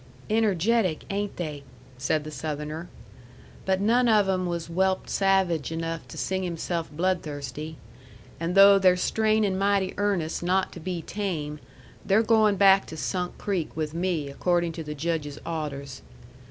"Energetic, ain't they?" said the Southerner. "But none of 'em was whelped savage enough to sing himself bloodthirsty. And though they're strainin' mighty earnest not to be tame, they're goin' back to Sunk Creek with me accordin' to the Judge's awders.